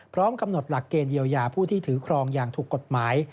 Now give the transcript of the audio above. กำหนดหลักเกณฑ์เยียวยาผู้ที่ถือครองอย่างถูกกฎหมาย